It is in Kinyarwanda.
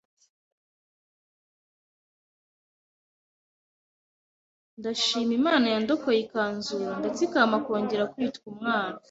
ndashima Imana yandokoye ikanzura ndetse ikampa kongera kwitwa umwana